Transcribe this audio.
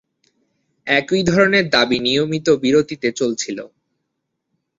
একই ধরণের দাবি নিয়মিত বিরতিতে চলছিল।